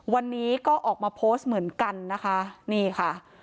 วันนี้ก็ออกมาโพสต์เหมือนกันนะคะนี่ค่ะ